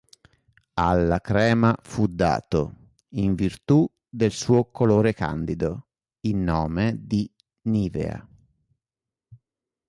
Alla crema fu dato, in virtù del suo colore candido, il nome di "Nivea".